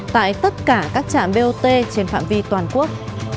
tại tất cả các trạm bot trên phạm vi toàn quốc